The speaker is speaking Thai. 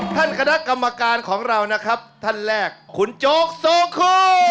คณะกรรมการของเรานะครับท่านแรกคุณโจ๊กโซโค